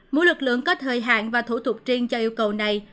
mỗi lực lượng có thời hạn và thủ tục riêng cho yêu cầu này